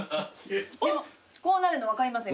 でもこうなるの分かります。